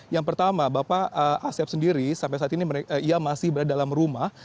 yang pertama bapak asep sendiri sampai saat ini ia masih berada dalam rumah